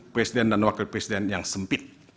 presiden dan wakil presiden yang sempit